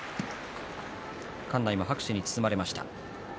館内も拍手に包まれました。